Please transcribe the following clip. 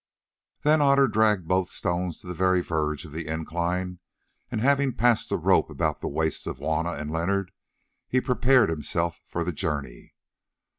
Then Otter dragged both stones to the very verge of the incline, and having passed the rope about the waists of Juanna and Leonard, he prepared himself for the journey.